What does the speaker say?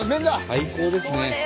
最高ですね。